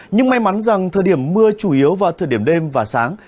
nhưng may mắn rằng thời điểm mưa chủ yếu vào thời điểm đêm và sáng